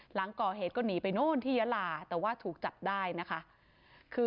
หลังก่อเหตุก็หนีไปโน่นที่ยาลาแต่ว่าถูกจับได้นะคะคือ